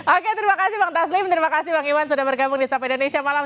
oke terima kasih bang taslim terima kasih bang iwan sudah bergabung di sapa indonesia malam